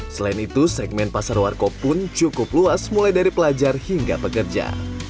selain itu segmen pasar warkop pun cukup luas mulai dari pelajar hingga pekerja